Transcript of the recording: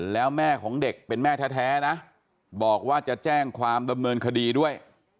แล้วแม่ของเด็กเป็นแม่แท้นะบอกว่าจะแจ้งความดำเนินคดีด้วย